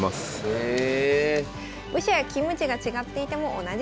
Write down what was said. へえ！